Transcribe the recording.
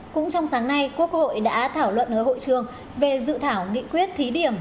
cũng trong sáng nay quốc hội đã thảo luận ở hội trường về dự thảo nghị quyết thí điểm